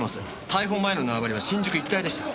逮捕前の縄張りは新宿一帯でした。